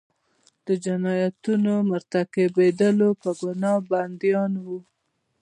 د جنایتونو مرتکبیدلو په ګناه بندیان وو.